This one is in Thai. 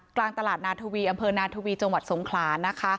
กลางตลาดนาทวีอำเภอนาทวีจังหวัดสงขลานะคะ